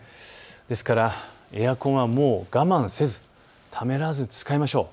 ですからエアコンはもう我慢せずにためらわずに使いましょう。